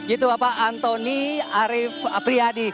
itu bapak antoni arief priadi